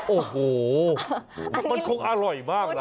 โอ้โหมันคงอร่อยมากนะ